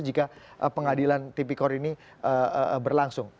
jika pengadilan tipikor ini berlangsung